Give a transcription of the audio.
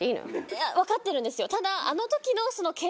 いやわかってるんですよ。